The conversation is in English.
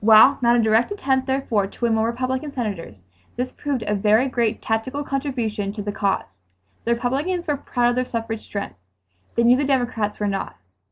While not a direct attempt, therefore, to win more Republican Senators, this proved a very great tactical contribution to the cause. The Republicans were proud of their suffrage strength. They knew the Democrats were not.